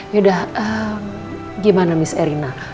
yaudah gimana miss erina